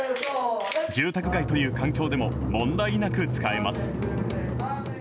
住宅街という環境でも、問題なく使えます。